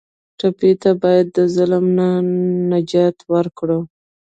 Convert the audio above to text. ټپي ته باید د ظلم نه نجات ورکړو.